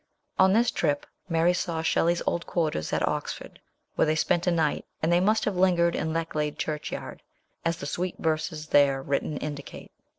On this trip Mary saw Shelley's old quarters at Oxford, where they spent a night, and they must have lingered in Lechlade Churchyard, as the sweet verses there written indicate.